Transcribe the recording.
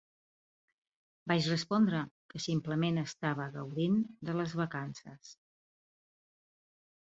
Vaig respondre que simplement estava gaudint de les vacances.